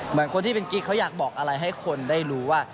เหมือนคนที่เป็นกิ๊กเขาอยากบอกอะไรให้คนได้รู้ว่า